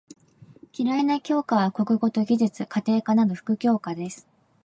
嫌いな教科は国語と技術・家庭科など副教科です。